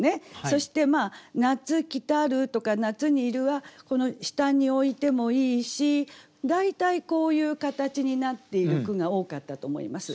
そして「夏来る」とか「夏に入る」はこの下に置いてもいいし大体こういう形になっている句が多かったと思います。